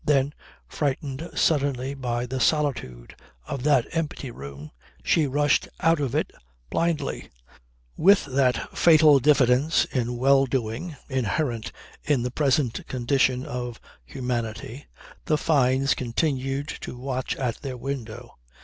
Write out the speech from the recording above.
Then, frightened suddenly by the solitude of that empty room, she rushed out of it blindly. With that fatal diffidence in well doing, inherent in the present condition of humanity, the Fynes continued to watch at their window.